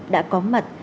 đã có mặt